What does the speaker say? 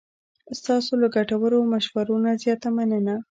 ستاسو له ګټورو مشورو نه زیاته مننه.